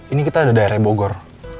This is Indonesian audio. ini kita ada daerah bogor